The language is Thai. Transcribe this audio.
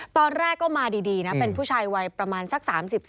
ตอนแรกก็มาดีนะเป็นผู้ชายวัยประมาณสัก๓๔